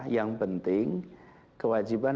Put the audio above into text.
yang penting kewajiban